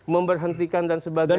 memberhentikan dan sebagainya